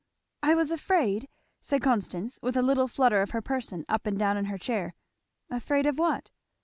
"I was afraid! " said Constance with a little flutter of her person up and down in her chair. "Afraid of what?"